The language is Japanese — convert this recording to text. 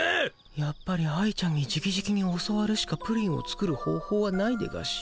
やっぱり愛ちゃんにじきじきに教わるしかプリンを作る方ほうはないでガシ。